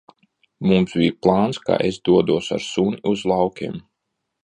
Mums bija plāns, ka es dodos ar suni uz laukiem.